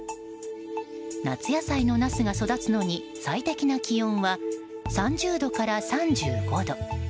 夏野菜のナスが育つのに最適な気温は３０度から３５度。